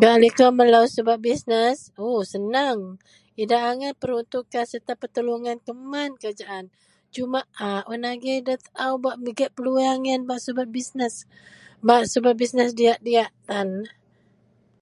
Gak likou melou subet bisnes oo seneng. Idak angai peruntukan sereta peteluongan keman kerajaan. Sumak a un agei nda taou bak pigek peluweang yen bak subet bisnes, bak subet bisnes diyak-diyak tan